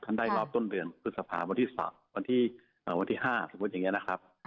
ท่านได้รอบต้นเดือนพฤษภาวันที่สองวันที่ห้าสมมติอย่างเงี้ยนะครับ